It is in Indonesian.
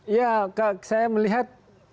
ya saya melihat